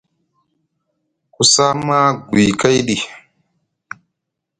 Ku saa maa agwi kai ɗi ?